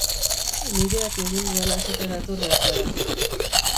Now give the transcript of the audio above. Nireak egin duela esatera etorri al zara?